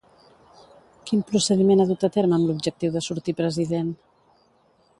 Quin procediment ha dut a terme amb l'objectiu de sortir president?